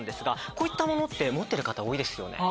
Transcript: こういったものって持ってる方多いですよね。